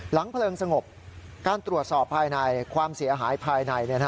เพลิงสงบการตรวจสอบภายในความเสียหายภายใน